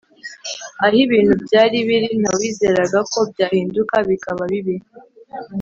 aho ibintu byari biri ntawizeraga ko byahinduka bikaba bibi